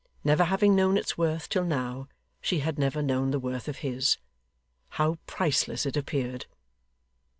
Never having known its worth till now, she had never known the worth of his. How priceless it appeared!